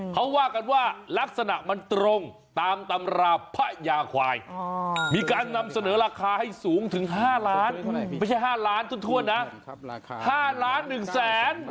เขาว่ากันว่าลักษณะมันตรงตามตำราพระยาควายมีการนำเสนอราคาให้สูงถึง๕ล้านไม่ใช่๕ล้านถ้วนนะ๕ล้าน๑แสน